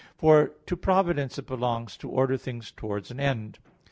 For to providence it belongs to order things towards an end.